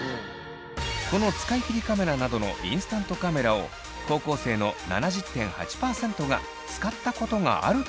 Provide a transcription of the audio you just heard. この使い切りカメラなどのインスタントカメラを高校生の７０．８％が使ったことがあると答えています。